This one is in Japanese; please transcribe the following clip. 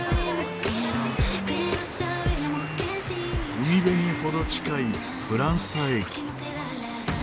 海辺に程近いフランサ駅。